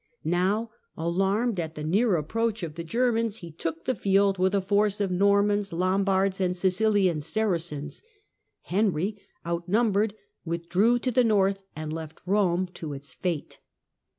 Now, alarmed at the near approach of the Germans, he took the field with a force of Normans, Lombards, and Sicilian Saracens. Henry, outnumbered, withdrew^ to the north, and left Eome to its fate.